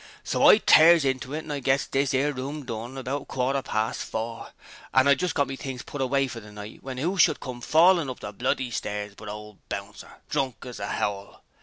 So I tears into it an' gets this 'ere room done about a quarter past four, an' I'd just got me things put away for the night w'en 'oo should come fallin' up the bloody stairs but ole Buncer, drunk as a howl!